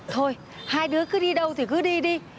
thôi hai đứa cứ đi đâu thì cứ đi đi